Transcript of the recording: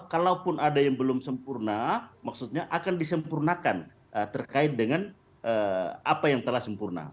kalaupun ada yang belum sempurna maksudnya akan disempurnakan terkait dengan apa yang telah sempurna